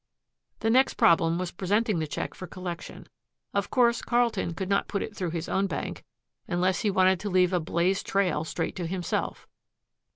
The next problem was presenting the check for collection. Of course Carlton could not put it through his own bank, unless he wanted to leave a blazed trail straight to himself.